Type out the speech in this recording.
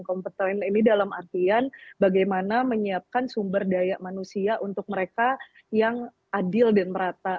kompeten ini dalam artian bagaimana menyiapkan sumber daya manusia untuk mereka yang adil dan merata